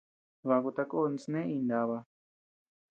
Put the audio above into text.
Baku tako sne iña naba.